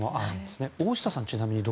大下さんはちなみに。